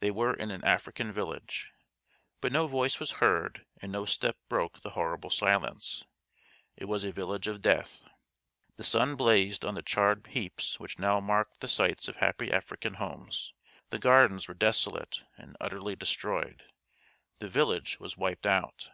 They were in an African village. But no voice was heard and no step broke the horrible silence. It was a village of death. The sun blazed on the charred heaps which now marked the sites of happy African homes; the gardens were desolate and utterly destroyed. The village was wiped out.